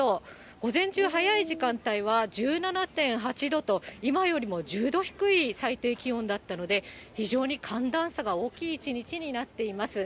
午前中、早い時間帯は１７．８度と、今よりも１０度低い最低気温だったので、非常に寒暖差が大きい一日になっています。